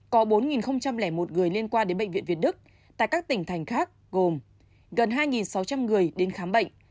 có bốn một người liên quan đến bệnh viện việt đức tại các tỉnh thành khác gồm gần hai sáu trăm linh người đến khám bệnh